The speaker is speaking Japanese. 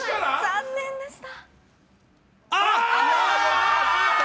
残念でした。